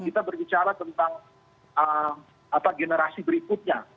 kita berbicara tentang generasi berikutnya